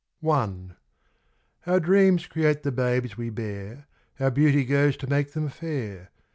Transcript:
THE MOTHER. I. OUR dreams create the babes we bear ; Our beauty goes to make them fair.